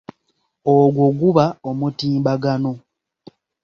Ogwo guba omutimbagano.